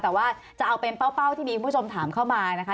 แต่ว่าจะเอาเป็นเป้าที่มีคุณผู้ชมถามเข้ามานะคะ